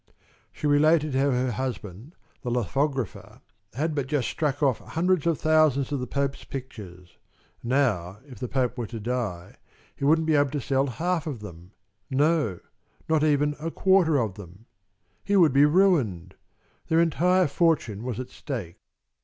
She related how her husband, the lithographer, had but just struck off hundreds of thousands of the Pope's pictures. Now, if the Pope were to die, he wouldn't be able to sell half of them no, not even a quarter of them. He would be ruined. Their entire fortune was at stake.